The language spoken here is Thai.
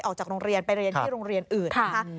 ออกจากโรงเรียนไปเรียนที่โรงเรียนอื่นนะคะ